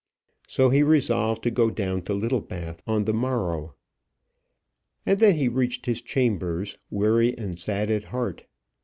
So he resolved to go down to Littlebath on the morrow. And then he reached his chambers, weary and sad at heart.